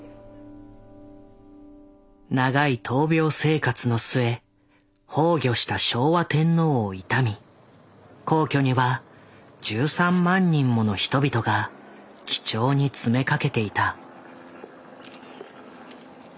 長い闘病生活の末崩御した昭和天皇を悼み皇居には１３万人もの人々が記帳に詰めかけていた。